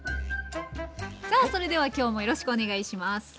さあそれでは今日もよろしくお願いします。